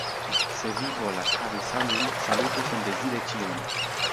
Se vi volas havi sanon, salutu sandezire ĉiujn.